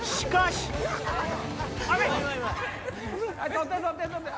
取って取って！